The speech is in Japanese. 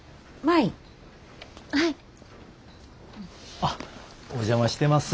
あっお邪魔してます。